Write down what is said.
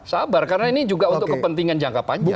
sabar karena ini juga untuk kepentingan jangka panjang